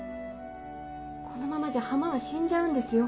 このままじゃ浜は死んじゃうんですよ。